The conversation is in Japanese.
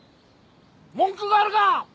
文句があるか！？